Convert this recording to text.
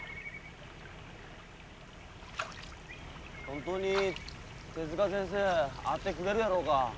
本当に手先生会ってくれるやろうか。